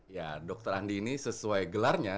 ya dokter andi ini sesuai gelarnya